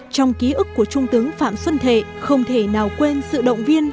trong ký ức của trung tướng phạm xuân thệ không thể nào quên sự động viên